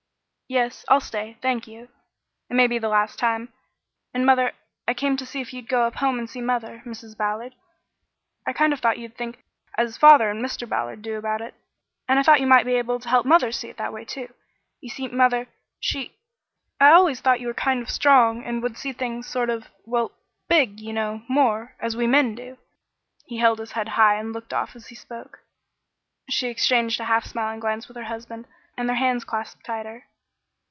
"Yes, I'll stay thank you. It may be the last time, and mother I came to see if you'd go up home and see mother, Mrs. Ballard. I kind of thought you'd think as father and Mr. Ballard do about it, and I thought you might be able to help mother to see it that way, too. You see, mother she I always thought you were kind of strong and would see things sort of well big, you know, more as we men do." He held his head high and looked off as he spoke. She exchanged a half smiling glance with her husband, and their hands clasped tighter.